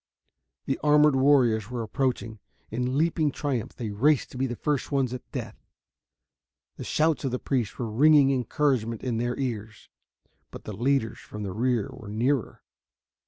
The armored warriors were approaching; in leaping triumph they raced to be the first ones at the death. The shouts of the priests were ringing encouragement in their ears. But the leaders from the rear were nearer.